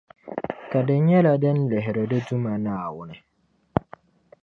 Ka di nyɛla din lihiri di Duuma Naawuni.